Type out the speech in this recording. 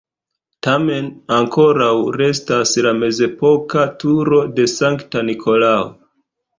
Tamen ankoraŭ restas la mezepoka turo de Sankta Nikolao.